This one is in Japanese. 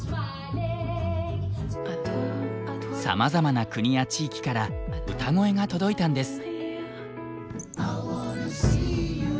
さまざまな国や地域から歌声が届いたんです。